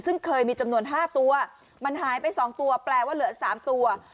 ซึ่งเคยมีจำนวน๕ตัวมันหายไป๒ตัวแปลว่าเหลือ๓ตัว